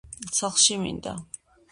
saxlshi minda